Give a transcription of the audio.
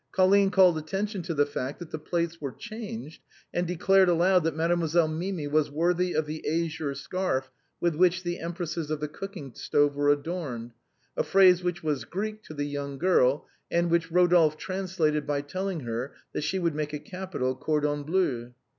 Colline called attention to the fact that the plates were changed, and declared aloud that Mademoiselle Mimi was worthy of the azure scarf with which the empresses of the cooking stove were adorned, a phrase which was Greek to the young girl, and which Rodolphe translated by telling her " that she would make a capital cordon bleu."